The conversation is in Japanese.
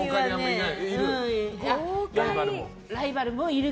いる？